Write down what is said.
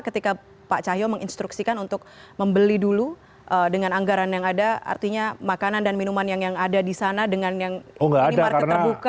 ketika pak cahyo menginstruksikan untuk membeli dulu dengan anggaran yang ada artinya makanan dan minuman yang ada di sana dengan yang minimarket terbuka